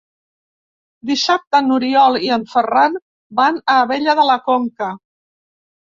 Dissabte n'Oriol i en Ferran van a Abella de la Conca.